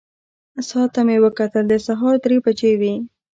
ساعت ته مې وکتل، د سهار درې بجې وې.